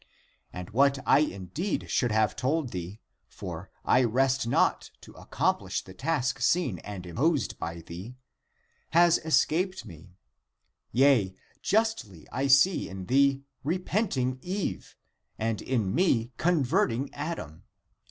What I indeed should have told thee — for I rest not to accomplish the task seen and imposed by thee — has escaped me. Yea, justly I see in thee repenting Eve and in me con verting Adam.